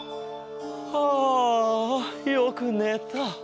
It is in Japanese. はあよくねた。